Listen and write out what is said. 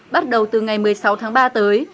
bắt đầu từ ngày một mươi sáu tháng ba tới